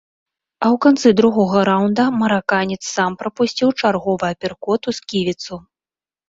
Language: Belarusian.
А ў канцы другога раўнда мараканец сам прапусціў чарговы аперкот у сківіцу.